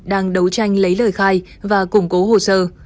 đang đấu tranh lấy lời khai và củng cố hồ sơ